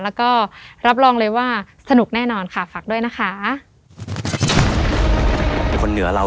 แล้วก็รับรองเลยว่าสนุกแน่นอนค่ะฝากด้วยนะคะ